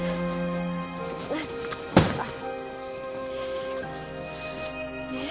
あっ。